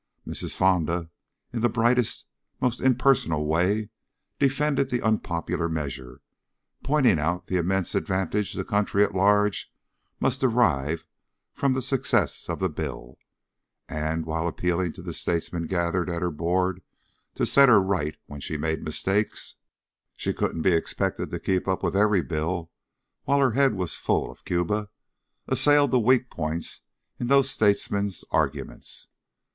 Mrs. Fonda, in the brightest, most impersonal way, defended the unpopular measure, pointing out the immense advantage the country at large must derive from the success of the bill, and, while appealing to the statesmen gathered at her board to set her right when she made mistakes, she couldn't be expected to keep up with every bill while her head was full of Cuba, assailed the weak points in those statesmen's arguments.